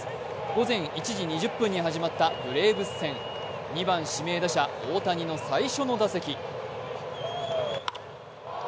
午前１時２０分に始まったブレーブス戦、２番・指名打者、大谷の最初の打席。